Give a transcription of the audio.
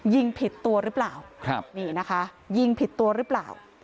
ยิงผิดตัวหรือเปล่าครับนี่นะคะยิงผิดตัวหรือเปล่า